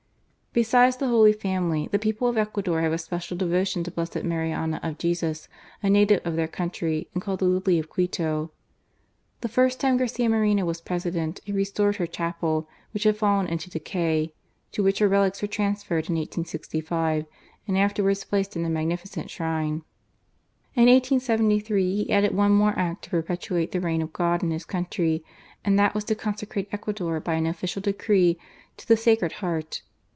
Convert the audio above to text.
Besides the Holy Family, the people of Ecuador have a special devotion to Blessed Marianna of Jesus, a native of their country, and called The Lily of Quito. The first time Garcia Moreno was GARCIA MOEENO. President he restored her chapel, which had fallen into decay, to which her relics were transferred in 1865, and afterwards placed in a magnificent shrine. In 1873, he added one more act to perpetuate the reign of God in his country; and that was to conse crate Ecuador by an official decree to the Sacred Heart.